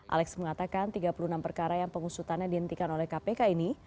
alex mengatakan tiga puluh enam perkara yang pengusutannya dihentikan oleh kpk ini